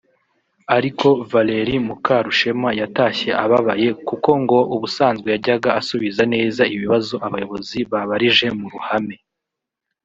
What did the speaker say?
ariko Valerie Mukarushema yatashye ababaye kuko ngo ubusanzwe yajyaga asubiza neza ibibazo abayobozi babarije mu ruhame